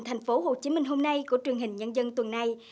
tp hcm hôm nay của truyền hình nhân dân tuần này